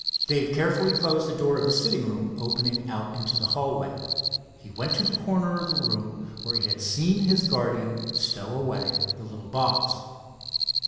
Dave carefully closed the door of the sitting room opening out into the hallway. He went to the corner of the room where he had seen his guardian stow away the little box.